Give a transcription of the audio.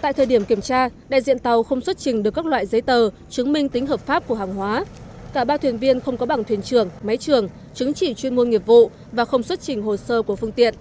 tại thời điểm kiểm tra đại diện tàu không xuất trình được các loại giấy tờ chứng minh tính hợp pháp của hàng hóa cả ba thuyền viên không có bằng thuyền trường máy trường chứng chỉ chuyên môn nghiệp vụ và không xuất trình hồ sơ của phương tiện